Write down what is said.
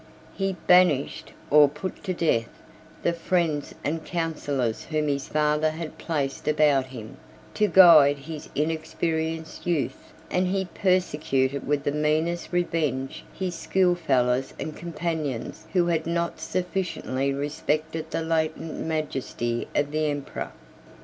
He banished, or put to death, the friends and counsellors whom his father had placed about him, to guide his inexperienced youth; and he persecuted with the meanest revenge his school fellows and companions who had not sufficiently respected the latent majesty of the emperor.